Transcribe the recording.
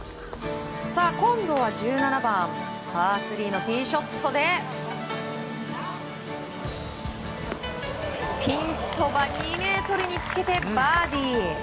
今度は１７番パー３のティーショットでピンそば２ｍにつけてバーディー。